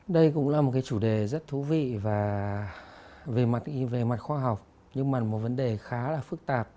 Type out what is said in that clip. đây cũng là một cái chủ đề rất thú vị và về mặt khoa học nhưng mà một vấn đề khá là phức tạp